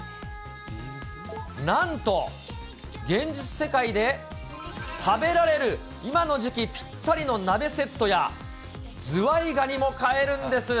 なんと、現実世界で食べられる、今の時期ぴったりの鍋セットや、ズワイガニも買えるんです。